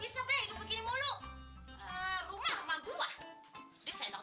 sebenarnya ya ke golf